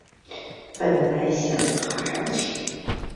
本来想爬上去